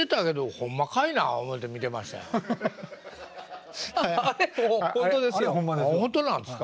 ほんとなんですか。